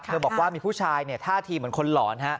บอกว่ามีผู้ชายท่าทีเหมือนคนหลอน